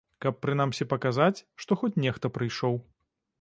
Каб прынамсі паказаць, што хоць нехта прыйшоў.